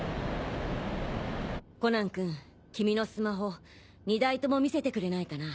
コナン君君のスマホ２台とも見せてくれないかな？